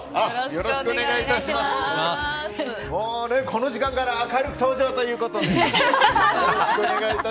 この時間から明るく登場ということで。